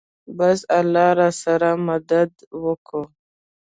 بس الله راسره مدد وکو.